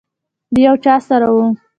د یو چا سره وه.